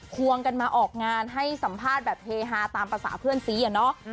ควงกันมาออกงานให้สัมภาษณ์แบบเฮฮาตามภาษาเพื่อนซีอะเนาะ